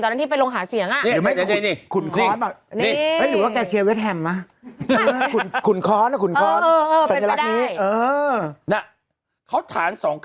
ตอนนี้ไปลงหาเสียหลัง